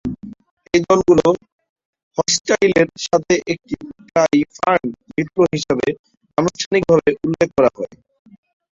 এই দলগুলি, হর্সটাইলের সাথে একত্রে প্রায়ই ফার্ন মিত্র হিসাবে অনানুষ্ঠানিকভাবে উল্লেখ করা হয়।